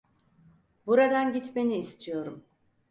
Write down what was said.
Buradan gitmeni istiyorum.